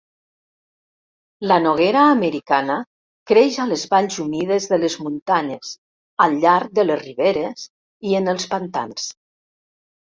La noguera americana creix a les valls humides de les muntanyes al llarg de les riberes i en els pantans.